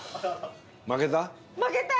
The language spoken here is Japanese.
負けた？